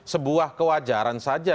sebuah kewajaran saja